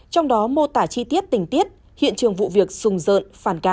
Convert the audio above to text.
trong đó mô tả chi tiết tình tiết hiện trường vụ việc sùng rợn